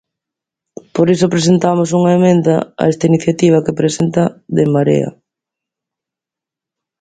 Por iso presentamos unha emenda a esta iniciativa que presenta de En Marea.